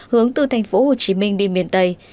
hướng từ tp hcm đi miền tây